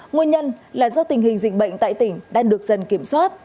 nguyên nhân là do tình hình dịch bệnh tại tỉnh đang được dần kiểm soát